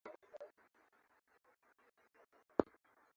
huku Waziri wa Habari Nape Nnauye akisema ni tukio la kihistoria